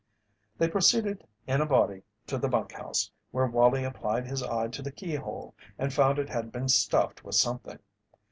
They proceeded in a body to the bunk house, where Wallie applied his eye to the keyhole and found it had been stuffed with something.